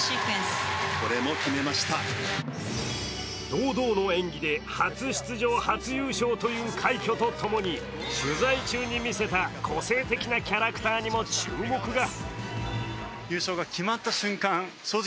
堂々の演技で初出場初優勝という快挙とともに、取材中に見せた個性的なキャラクターにも注目が。